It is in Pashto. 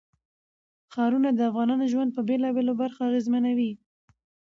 ښارونه د افغانانو ژوند په بېلابېلو برخو اغېزمنوي.